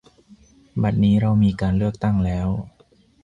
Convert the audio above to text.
บัดนี้เรามีการเลือกตั้งแล้ว